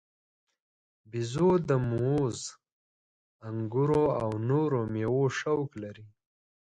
بیزو د موز، انګورو او نورو میوو شوق لري.